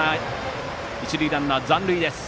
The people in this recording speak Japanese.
一塁ランナー残塁です。